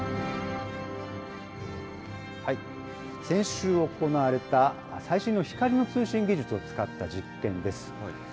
先週行われた最新の光の通信技術を使った実験です。